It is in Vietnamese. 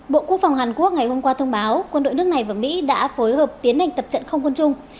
bộ quốc phòng hàn quốc ngày hôm qua thông báo quân đội nước này và mỹ đã phối hợp tiến hành tập trận không quân chung